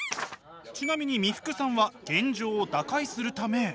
ちなみに三福さんは現状を打開するため。